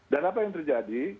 dan apa yang terjadi